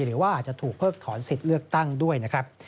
หรือว่าอาจจะถูกเพิกถอนสิทธิ์เลือกตั้งด้วยนะครับ